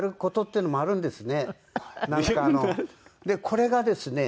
これがですね